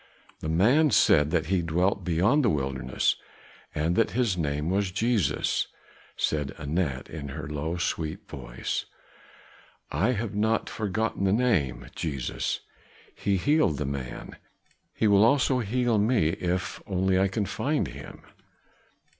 "The man said that he dwelt beyond the wilderness and that his name was Jesus," said Anat in her low, sweet voice. "I have not forgotten the name, Jesus. He healed the man, he will also heal me if only I can find him."